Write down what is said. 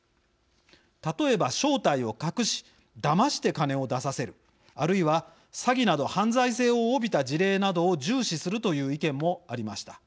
例えば、正体を隠し「だまして」金を出させるあるいは、詐欺など犯罪性を帯びた事例などを重視するという意見もありました。